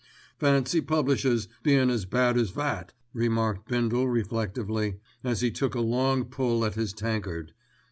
"Fancy publishers bein' as bad as that," remarked Bindle reflectively, as he took a long pull at his tankard.